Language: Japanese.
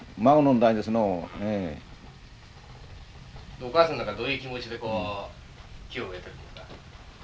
おかあさんなんかどういう気持ちでこう木を植えてるんですか？